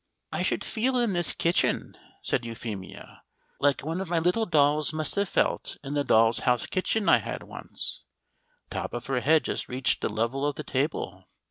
"I should feel in this kitchen," said Euphemia, "like one of my little dolls must have felt in the dolls' house kitchen I had once. The top of her head just reached the level of the table.